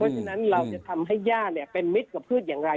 ฉะนั้นเราจะทำให้ย่าเป็นมิตรกับพืชอย่างไร